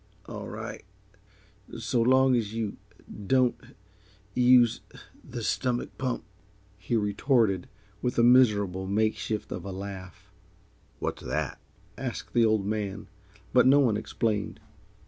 "All right so long as you don't use the stomach pump," he retorted, with a miserable makeshift of a laugh. "What's that?" asked the Old Man, but no one explained.